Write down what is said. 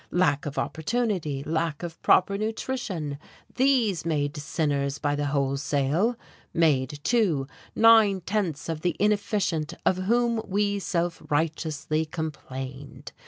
Lack of opportunity, lack of proper nutrition, these made sinners by the wholesale; made, too, nine tenths of the inefficient of whom we self righteously complained.